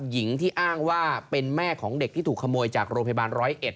หญิงที่อ้างว่าเป็นแม่ของเด็กที่ถูกขโมยจากโรงพยาบาลร้อยเอ็ด